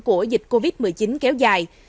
của dịch covid một mươi chín kéo dài